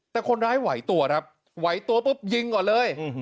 แต่คนร้ายไหวตัวครับไหวตัวปุ๊บยิงก่อนเลย